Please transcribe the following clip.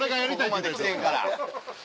ここまで来てんから。